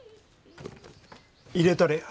入れたれや。